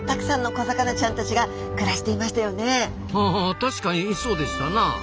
確かにそうでしたなあ。